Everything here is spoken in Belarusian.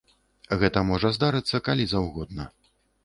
Гэта можа здарыцца калі заўгодна.